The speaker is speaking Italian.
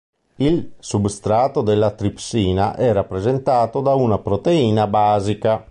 Il substrato della tripsina è rappresentato da una proteina basica.